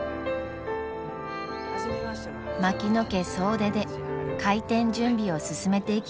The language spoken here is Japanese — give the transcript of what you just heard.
槙野家総出で開店準備を進めていきました。